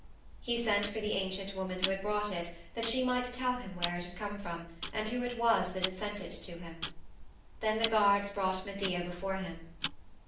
He sent for the ancient woman who had brought it that she might tell him where it had come from and who it was that had sent it to him. Then the guards brought Medea before him.